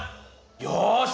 よし！